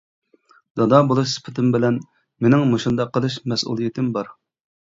دادا بولۇش سۈپىتىم بىلەن، مېنىڭ مۇشۇنداق قىلىش مەسئۇلىيىتىم بار.